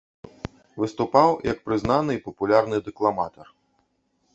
Выступаў як прызнаны і папулярны дэкламатар.